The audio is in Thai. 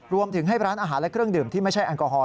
รวมถึงให้ร้านอาหารและเครื่องดื่มที่ไม่ใช่แอลกอฮอล